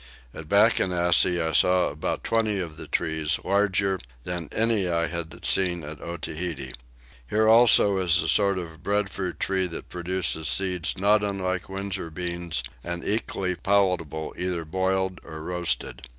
At Backennassy I saw about twenty of the trees, larger than any I have seen at Otaheite. Here is also a sort of breadfruit tree that produces seeds not unlike Windsor beans and equally palatable either boiled or roasted.